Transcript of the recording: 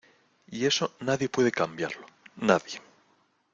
y eso nadie puede cambiarlo, nadie.